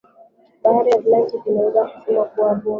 bahari ya atlantic Inaweza kusema kuwa bonde